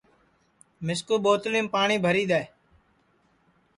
مِسکُو ٻوتلِیم پاٹؔی بھری دؔے